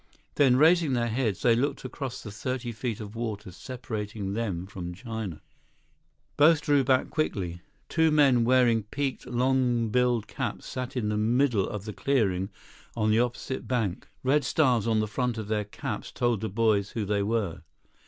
Then, raising their heads, they looked across the thirty feet of water separating them from China. 80 Both drew back quickly. Two men, wearing peaked, long billed caps sat in the middle of the clearing on the opposite bank. Red stars on the front of their caps told the boys who they were.